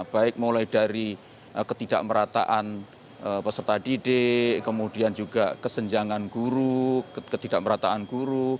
baik mulai dari ketidakmerataan peserta didik kemudian juga kesenjangan guru ketidakmerataan guru